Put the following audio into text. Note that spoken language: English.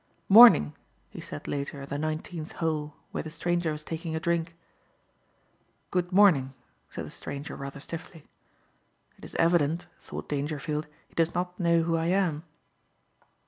"Morning," he said later at the "Nineteenth Hole" where the stranger was taking a drink. "Good morning," said the stranger rather stiffly. "It is evident," thought Dangerfield, "he does not know who I am."